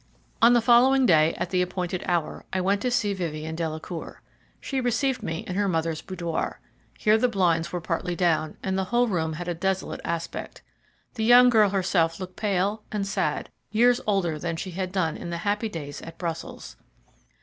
On the following day, at the appointed hour, I went to see Vivien Delacour. She received me in her mother's boudoir. Here the blinds were partly down, and the whole room had a desolate aspect. The young girl herself looked pale and sad, years older than she had done in the happy days at Brussels.